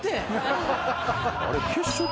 あれ？